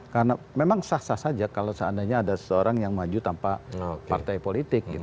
karena memang sah sah saja kalau seandainya ada seseorang yang maju tanpa partai politik gitu